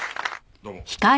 どうも。